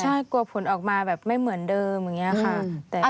ใช่กลัวผลออกมาแบบไม่เหมือนเดิมอย่างนี้ค่ะ